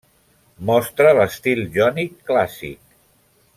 Mostra l'estil jònic clàssic.